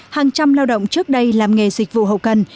hàng trăm lao động trước đây làm nghề dịch vụ hậu cần